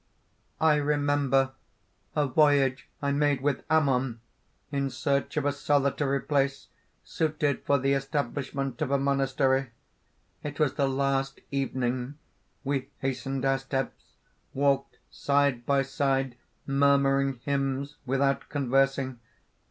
"I remember a voyage I made with Ammon in search of a solitary place suited for the establishment of a monastery. It was the last evening; we hastened our steps, walked side by side, murmuring hymns, without conversing.